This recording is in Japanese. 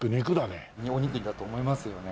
お肉だと思いますよね。